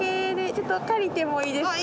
ちょっと借りてもいいですか？